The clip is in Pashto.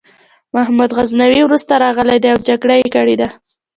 محمود غزنوي وروسته راغلی دی او جګړه یې کړې ده.